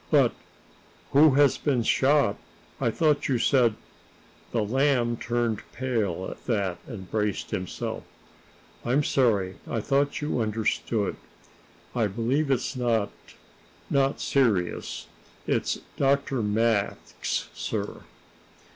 "But who has been shot? I thought you said " The Lamb turned pale at that, and braced himself. "I'm sorry I thought you understood. I believe it's not not serious. It's Dr. Max, sir."